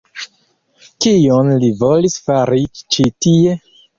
Kion li volis fari ĉi tie?